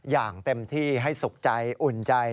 อย่างเต็มที่ให้สุขใจอุ่นใจ